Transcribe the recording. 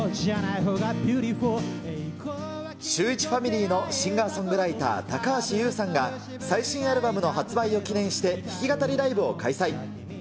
シューイチファミリーのシンガーソングライター、高橋優さんが、最新アルバムの発売を記念して、弾き語りライブを開催。